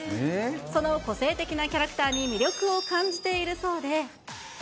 その個性的なキャラクターに魅力を感じているそうで。